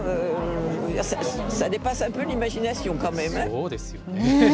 そうですよね。